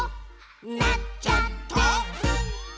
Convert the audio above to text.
「なっちゃった！」